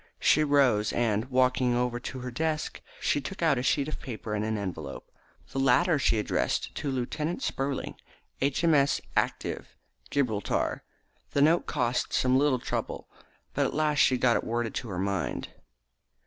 She rose, and, walking over to her desk, she took out a sheet of paper and an envelope. The latter she addressed to Lieutenant Spurling, H.M.S. Active, Gibraltar. The note cost some little trouble, but at last she got it worded to her mind.